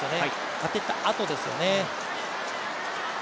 当てたあとですよね。